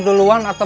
terima kasih ip